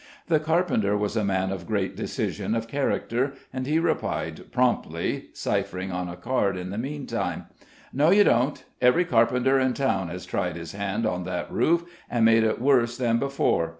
The carpenter was a man of great decision of character, and he replied promptly, ciphering on a card in the meantime: "No you don't. Every carpenter in town has tried his hand on that roof, and made it worse than before.